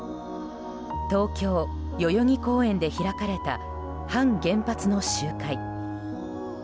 東京・代々木公園で開かれた反原発の集会。